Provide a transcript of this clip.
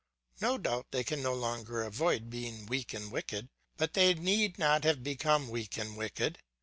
No doubt they can no longer avoid being weak and wicked, but they need not have become weak and wicked.